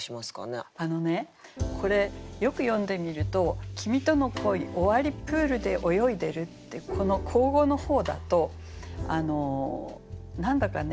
あのねこれよく読んでみると「きみとの恋終わりプールで泳いでる」ってこの口語の方だと何だかね